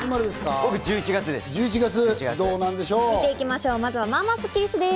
僕、１１月です。